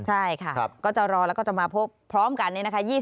ใช่ค่ะก็จะรอแล้วก็จะมาพบพร้อมกันเนี่ยนะคะ